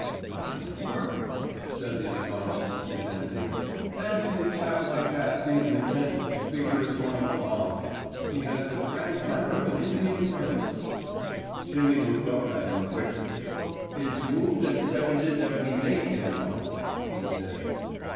"My word," said the astonished Mr. Denby. "Fancy a chap like that being content to figure as one of the mob. He has the grand manner of an Indian prince." Jimmy looked up at him quickly. "It's moved and seconded that we make him one," he said.